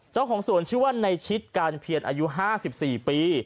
เจ้าของสวนชื่อว่าในชิดการเพียรอายุ๕๔ปี